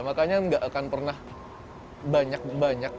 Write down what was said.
makanya nggak akan pernah banyak banyak